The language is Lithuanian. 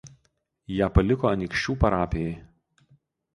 Ją paliko Anykščių parapijai.